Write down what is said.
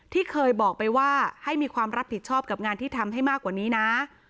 ที่เคยบอกไปว่าให้มีความรับผิดชอบกับงานที่ทำให้มากกว่านี้นะ